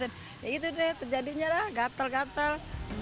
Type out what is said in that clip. ya gitu deh terjadinya lah gatal gatal